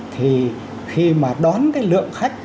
thì khi mà đón lượng khách